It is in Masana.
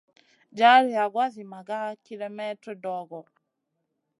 Jar yagoua zi maga kilemètre dogo.